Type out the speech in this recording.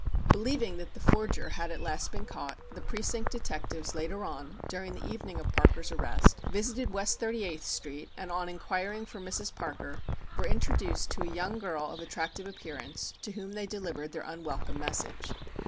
Believing that the forger had at last been caught, the precinct detectives later on, during the evening of Parker's arrest, visited no West Thirty eighth Street, and on inquiring for "Mrs. Parker," were introduced to a young girl of attractive appearance to whom they delivered their unwelcome message.